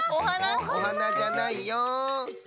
お花じゃないよ。